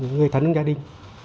người thân gia đình